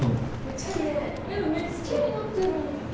めっちゃキレイになってる。